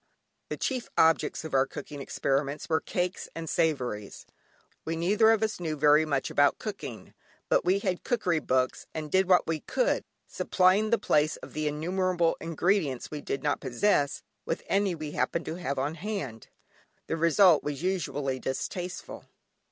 The chief objects of our cooking experiments were cakes and savouries. We neither of us knew very much about cooking, but we had cookery books, and did what we could, supplying the place of the innumerable ingredients we did not possess, with any we happened to have on hand. The result was usually distasteful.